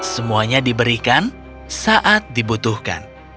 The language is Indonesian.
semuanya diberikan saat dibutuhkan